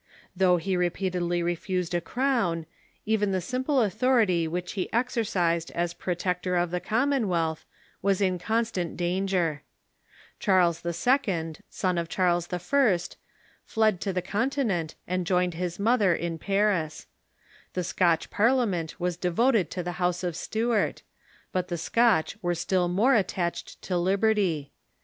Though he repeatedly refused in Search of a crown, even the simple authority which he exer the Throne eised as Protector of the Commonwealth was in constant danger. Charles II., son of Charles I., fled to the Continent, and joined his mother in Paris, The Scotch Par liament was devoted to the house of Stuart, but the Scotch were still more attached to liberty.